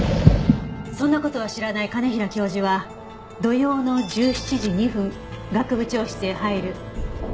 そんな事は知らない兼平教授は土曜の１７時２分学部長室へ入る。